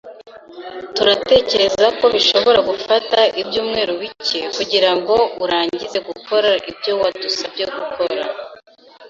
Turatekereza ko bishobora gufata ibyumweru bike kugirango urangize gukora ibyo wadusabye gukora.